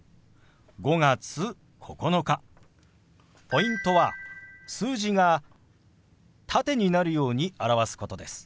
ポイントは数字が縦になるように表すことです。